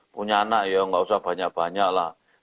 punya anak ya nggak usah banyak banyak lah